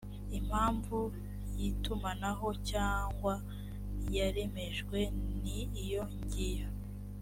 impamvu y’itumanaho cyangwa yaremejwe ni iyo ngiyo